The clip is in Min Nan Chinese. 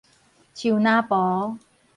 樹林苞